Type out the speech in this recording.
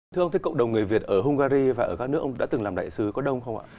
thưa ông thế cộng đồng người việt ở hungary và ở các nước ông đã từng làm đại sứ có đông không ạ